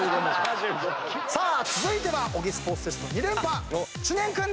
続いては小木スポーツテスト２連覇知念君でーす！